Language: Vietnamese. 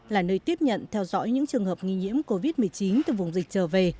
là nơi tiếp nhận theo dõi những trường hợp nghi nhiễm covid một mươi chín từ vùng dịch trở về